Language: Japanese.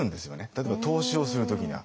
例えば投資をする時には。